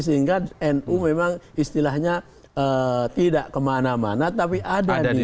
sehingga nu memang istilahnya tidak kemana mana tapi ada di mana mana